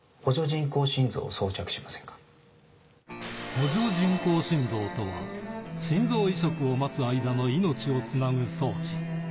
補助人工心臓とは、心臓移植を待つ間の命をつなぐ装置。